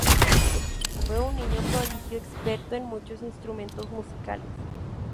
Fue un niño prodigio experto en muchos instrumentos musicales.